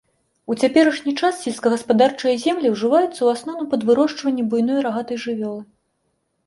У цяперашні час сельскагаспадарчыя землі ўжываюцца ў асноўным пад вырошчванне буйной рагатай жывёлы.